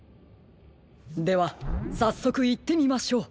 ではさっそくいってみましょう。